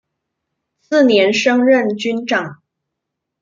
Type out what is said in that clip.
次年升任军长。